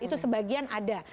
itu sebagian ada